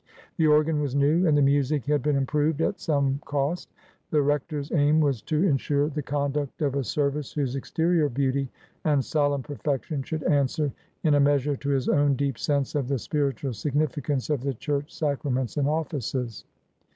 The organ was new and the music had been improved at some cost; the rector's aim was to ensure the conduct of a service whose exterior beauty and solemn perfection should answer in a measure to his own deep sense of the spiritual signifi cance of the church sacraments and offices.